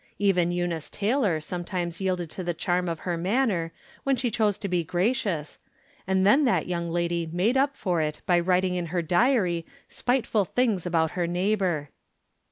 Even Eunice Taylor sometimes yielded to the charm of her manner when she chose to be gracious, and then that young lady made up for it by writing in her diary spiteful things about ' her neighbor.